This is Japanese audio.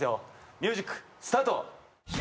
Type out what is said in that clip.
ミュージックスタート！